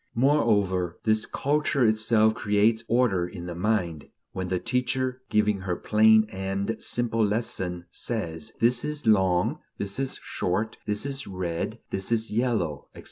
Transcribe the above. Moreover, this culture itself creates order in the mind: when the teacher, giving her plain and simple lesson, says: This is long, this is short, this is red, this is yellow, etc.